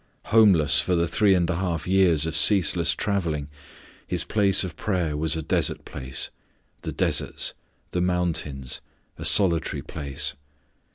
Homeless for the three and a half years of ceaseless travelling, His place of prayer was a desert place, "the deserts," "the mountains," "a solitary place."